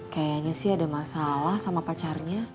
kayaknya sih ada masalah sama pacarnya